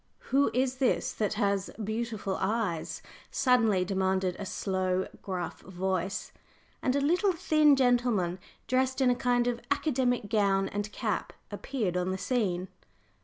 "Who is this that has beautiful eyes?" suddenly demanded a slow, gruff voice, and a little thin gentleman, dressed in a kind of academic gown and cap, appeared on the scene.